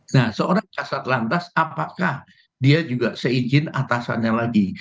nah seorang kasat lantas apakah dia juga seizin atasannya lagi